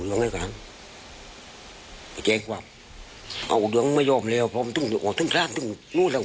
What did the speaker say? หากสาวที่นาฬิพิกันเป็นคนครับ